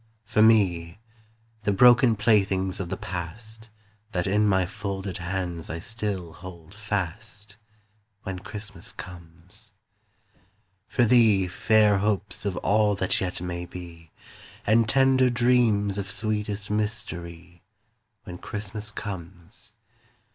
For me, the broken playthings of the past That in my folded hands I still hold fast, When Christmas comes. For thee, fair hopes of all that yet may be, And tender dreams of sweetest mystery, When Christmas comes.